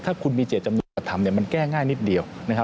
ถ้าคุณมีเจตจำนงกระทำมันแก้ง่ายนิดเดียว